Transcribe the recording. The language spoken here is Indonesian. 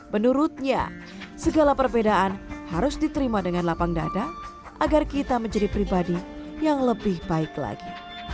menurutnya segala perbedaan harus diterima dengan lapang dada agar kita menjadi pribadi yang lebih baik lagi